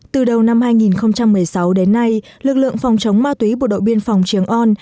từ đầu năm hai nghìn một mươi sáu đến nay lực lượng phòng chống ma túy bộ đội biên phòng trường on